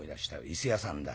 伊勢屋さんだ。